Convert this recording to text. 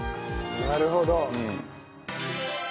なるほど。